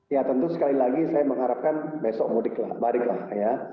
ya tentu sekali lagi saya mengharapkan besok mudik lah baliklah ya